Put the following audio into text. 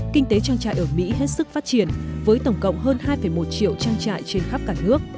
kinh tế trang trại ở mỹ hết sức phát triển với tổng cộng hơn hai một triệu trang trại trên khắp cả nước